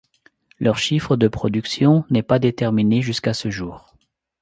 Leur chiffre de production n'est pas déterminé jusqu'à ce jour.